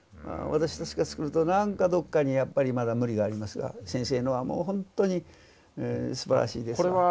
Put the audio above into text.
私たちが作るとなんかどっかにやっぱりまだ無理がありますが先生のはもうほんとにすばらしいですわ。